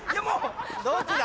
どっちだ？